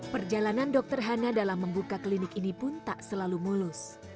perjalanan dokter hana dalam membuka klinik ini pun tak selalu mulus